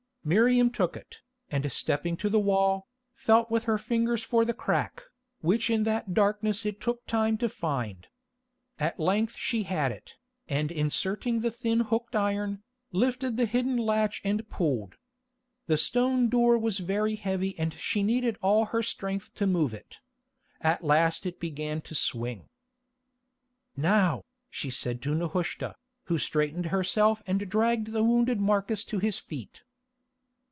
Miriam took it, and stepping to the wall, felt with her fingers for the crack, which in that darkness it took time to find. At length she had it, and inserting the thin hooked iron, lifted the hidden latch and pulled. The stone door was very heavy and she needed all her strength to move it. At last it began to swing. "Now," she said to Nehushta, who straightened herself and dragged the wounded Marcus to his feet.